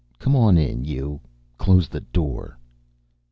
Come on in, you. Close the door!"